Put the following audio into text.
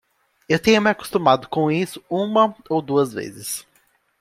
Eu tenho me acostumado com isso uma ou duas vezes.